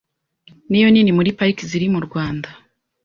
ni yo nini muri Pariki ziri mu Rwanda.